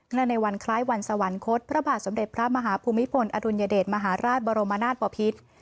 ในวันคล้ายวันสวรรคตพระบาทสมเด็จพระมหาภูมิพลอดุลยเดชมหาราชบรมนาศปภิษ